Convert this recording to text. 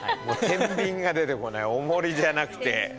天秤が出てこないおもりじゃなくて。